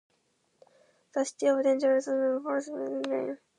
The city of Dongola experienced prosperity under their reign.